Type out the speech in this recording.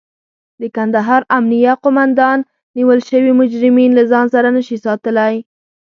د کندهار امنيه قوماندان نيول شوي مجرمين له ځان سره نشي ساتلای.